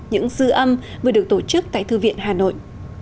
những dư âm vừa được tổ chức tại thư viện hà nội